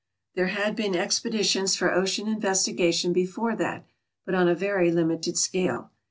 There had been expeditions for ocean investigation before that, but on a very limited scale.